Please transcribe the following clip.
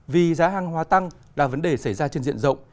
vì giá hàng hóa tăng là vấn đề xảy ra trên diện rộng